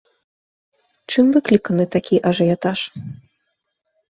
Чым выкліканы такі ажыятаж?